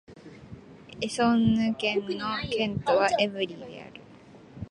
エソンヌ県の県都はエヴリーである